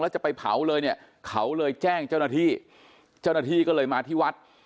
เจ้าหน้าที่เจ้าหน้าที่ก็เลยมาที่วัด